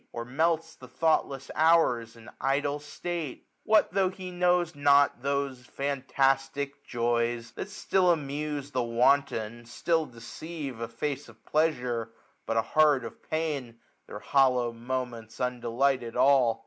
Or melts the thoughtless hours in idle state? 1250 What tho* he knows not those fantastic jdys. That still amuse the wanton, still deceive ; A face of pleasure, but a heart of pain } Their hollow moments undelighted all